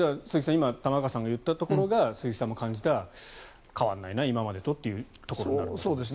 今、玉川さんが言ったところが鈴木さんも感じた変わんないな今までとというところになるんですか。